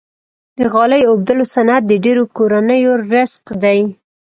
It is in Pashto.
د غالۍ اوبدلو صنعت د ډیرو کورنیو رزق دی۔